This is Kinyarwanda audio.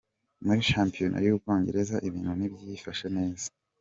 Muri shampiyona y’u Bwongereza Ibinu Nibyifashe neza